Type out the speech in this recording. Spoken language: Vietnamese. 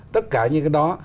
tất cả những cái đó